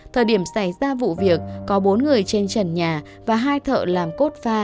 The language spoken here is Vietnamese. thời điểm xảy ra vụ việc có bốn người trên trần nhà và hai thợ làm cốt pha